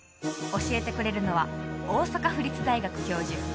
教えてくれるのは大阪府立大学教授